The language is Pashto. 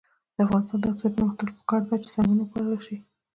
د افغانستان د اقتصادي پرمختګ لپاره پکار ده چې څرمن وپلورل شي.